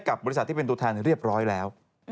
กับบริษัทที่เป็นตัวแทนเรียบร้อยแล้ว